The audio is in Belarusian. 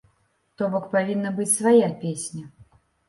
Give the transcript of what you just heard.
То бок павінна быць свая песня.